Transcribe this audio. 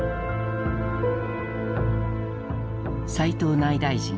斎藤内大臣